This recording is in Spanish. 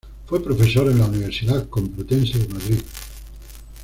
Fue profesor en la Universidad Complutense de Madrid.